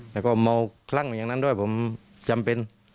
แล้วก็เมาคลั่งอย่างนั้นด้วยผมจำเป็น